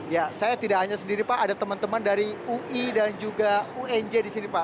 ya saya tidak hanya sendiri pak ada teman teman dari ui dan juga unj di sini pak